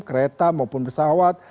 kereta maupun pesawat